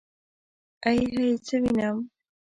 ائ هئ څه وينم.